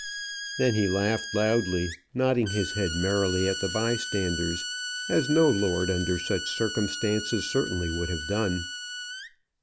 Then he laughed loudly, nodding his head merrily at the bystanders, as no lord under such circumstances certainly would have done.